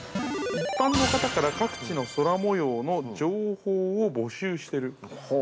一般の方から各地の空模様の情報を募集している。